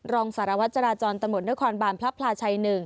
รองสารวัตรจราจรตำรวจนครบานพระพลาชัย๑